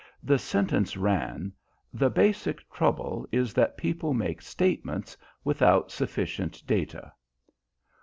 The sentence ran: "The basic trouble is that people make statements without sufficient data."